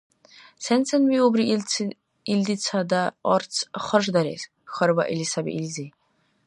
— Сен-сен виубри илдицада арц харждарес? — хьарбаили саби илизи.